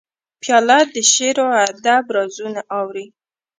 پیاله د شعرو او ادب رازونه اوري.